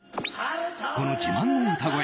この自慢の歌声